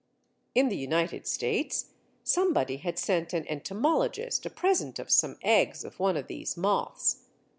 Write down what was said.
In the United States, somebody had sent an entomologist a present of some eggs of one of these moths.